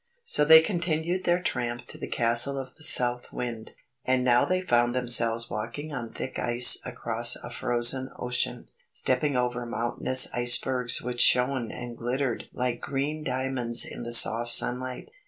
So they continued their tramp to the Castle of the South Wind. And now they found themselves walking on thick ice across a frozen ocean, stepping over mountainous icebergs which shone and glittered like green diamonds in the soft sunlight.